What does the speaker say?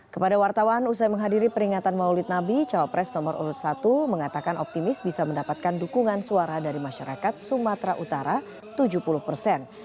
kepada wartawan usai menghadiri peringatan maulid nabi cawapres nomor urut satu mengatakan optimis bisa mendapatkan dukungan suara dari masyarakat sumatera utara tujuh puluh persen